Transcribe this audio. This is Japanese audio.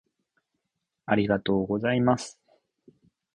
ありがとうございます